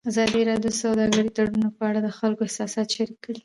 ازادي راډیو د سوداګریز تړونونه په اړه د خلکو احساسات شریک کړي.